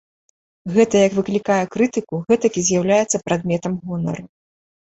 Гэта як выклікае крытыку, гэтак і з'яўляецца прадметам гонару.